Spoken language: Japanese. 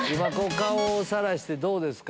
顔をさらしてどうですか？